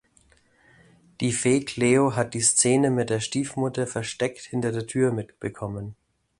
Die Fee Cleo hat die Szene mit der Stiefmutter versteckt hinter der Tür mitbekommen.